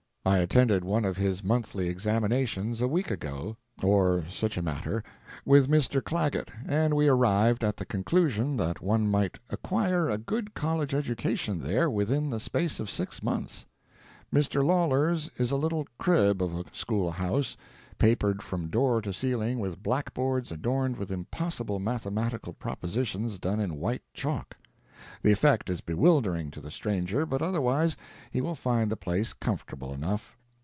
I attended one of his monthly examinations a week ago, or such a matter, with Mr. Clagett, and we arrived at the conclusion that one might acquire a good college education there within the space of six months. Mr. Lawlor's is a little crib of a school house, papered from door to ceiling with black boards adorned with impossible mathematical propositions done in white chalk. The effect is bewildering, to the stranger, but otherwise he will find the place comfortable enough.